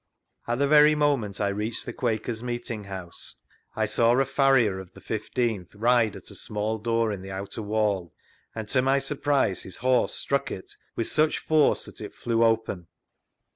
At the very moment I reached the Quakers' meeting house, I saw a farrier of the 1 5th ride at a small door in the outer wall, and to my surprise his horse struck it with such force that it flew open.